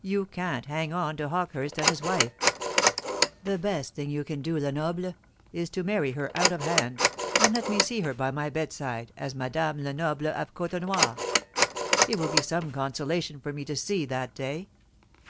You can't hang on to Hawkehurst and his wife. The best thing you can do, Lenoble, is to marry her out of hand, and let me see her by my bedside as Madame Lenoble of Côtenoir. It will be some consolation for me to see that day.